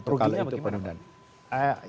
ruginya bagaimana pak